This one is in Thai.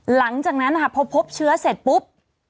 หลังจากนั้นพอพบเชื้อเสร็จปุ๊บ